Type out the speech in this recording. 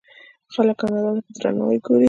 خلک کاناډا ته په درناوي ګوري.